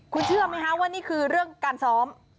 คุณเชื่อไหมคะว่านี่คือเรื่องการซ้อม